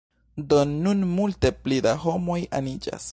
Do nun multe pli da homoj aniĝas